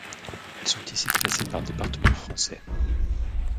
Elles sont ici classées par département français.